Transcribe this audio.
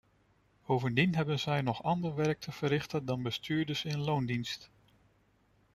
Bovendien hebben zij nog ander werk te verrichten dan bestuurders in loondienst.